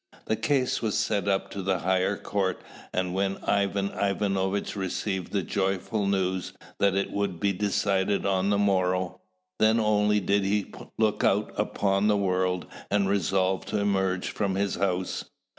The case was sent up to the higher court; and when Ivan Ivanovitch received the joyful news that it would be decided on the morrow, then only did he look out upon the world and resolve to emerge from his house.